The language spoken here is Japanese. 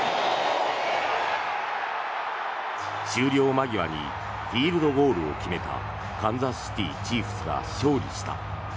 終了間際にフィールドゴールを決めたカンザスシティ・チーフスが勝利した。